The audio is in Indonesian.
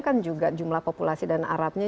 kan juga jumlah populasi dan arabnya